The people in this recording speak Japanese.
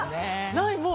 ないもう。